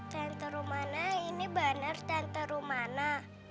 tante rumana ini bener tante rumana